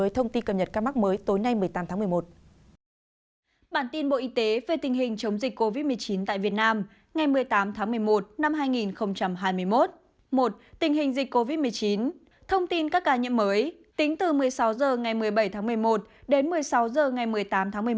thông tin các ca nhiễm mới tính từ một mươi sáu h ngày một mươi bảy tháng một mươi một đến một mươi sáu h ngày một mươi tám tháng một mươi một